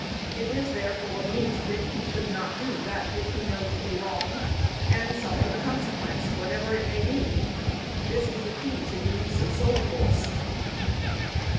It is, therefore, meet that he should not do that which he knows to be wrong, and suffer the consequence whatever it may be. This is the key to the use of soul force.